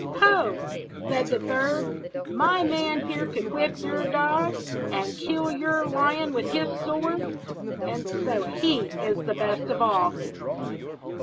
"Ho!" said a third. "My man here could whip your dog, and kill your lion with his sword, so he is the best of all."